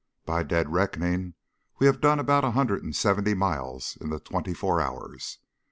By dead reckoning, we have done about a hundred and seventy miles in the twenty four hours.